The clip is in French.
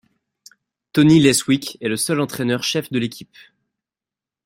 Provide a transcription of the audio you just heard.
Tony Leswick est le seul entraîneur-chef de l'équipe.